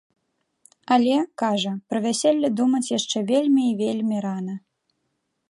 Але, кажа, пра вяселле думаць яшчэ вельмі і вельмі рана.